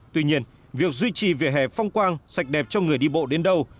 tuy nhiên việc duy trì về hè phong quang sạch đẹp cho người đi bộ đến đâu